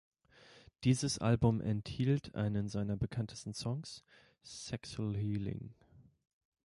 Dieses Album enthielt einen seiner bekanntesten Songs, "Sexual Healing".